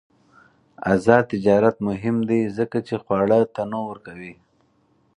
آزاد تجارت مهم دی ځکه چې خواړه تنوع ورکوي.